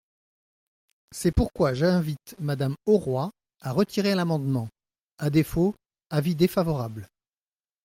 C’est pourquoi j’invite Madame Auroi à retirer l’amendement ; à défaut, avis défavorable.